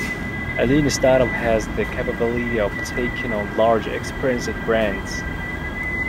A lean startup has the capability of taking on large experienced brands.